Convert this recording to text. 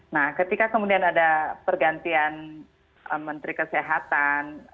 nah ketika kemudian ada pergantian menteri kesehatan